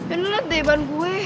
ini liat deh ban gue